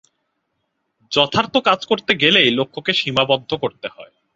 যথার্থ কাজ করতে গেলেই লক্ষকে সীমাবদ্ধ করতে হয়।